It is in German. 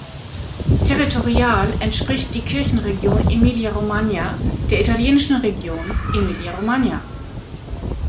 Territorial entspricht die Kirchenregion Emilia-Romagna der italienischen Region Emilia-Romagna.